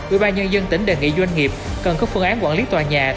ủy ban nhân dân tỉnh đề nghị doanh nghiệp cần có phương án quản lý tòa nhà